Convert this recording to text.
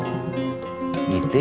itu yang penting